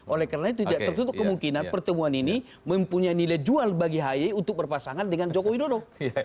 oleh karena itu tidak tertutup kemungkinan pertemuan ini mempunyai nilai jual bagi haye untuk berpasangan dengan joko widodo